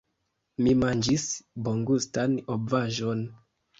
Mi manĝis bongustan ovaĵon.